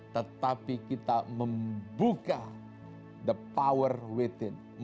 tetapi kita membuka kekuatan dalamnya